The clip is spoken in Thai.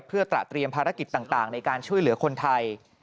เพื่อตระเตรียมภารกิจต่างในการช่วยเหลือคนไทย